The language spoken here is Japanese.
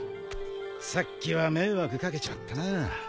さっきは迷惑掛けちまったな。